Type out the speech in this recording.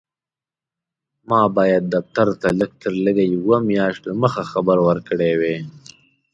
ما باید دفتر ته لږ تر لږه یوه میاشت دمخه خبر ورکړی وای.